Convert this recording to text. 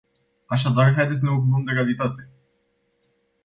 Așadar haideți să ne ocupăm de realitate.